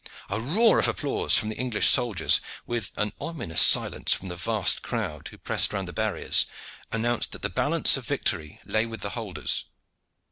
A roar of applause from the English soldiers, with an ominous silence from the vast crowd who pressed round the barriers, announced that the balance of victory lay with the holders.